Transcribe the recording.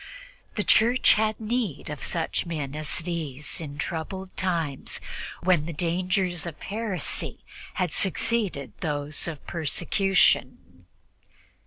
The Church had need of such men in these troublous times, when the dangers of heresy had succeeded to those of persecution.